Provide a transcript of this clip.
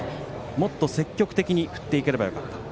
もっと積極的に振っていければよかった。